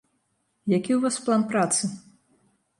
Які ў вас план працы?